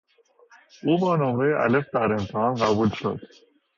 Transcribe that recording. او با نمره الف در امتحان قبول شد.